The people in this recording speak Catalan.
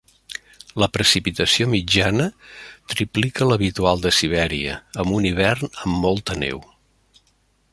La precipitació mitjana triplica l'habitual de Sibèria, amb un hivern amb molta neu.